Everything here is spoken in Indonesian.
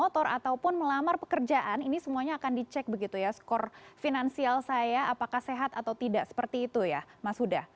kotor ataupun melamar pekerjaan ini semuanya akan dicek begitu ya skor finansial saya apakah sehat atau tidak seperti itu ya mas huda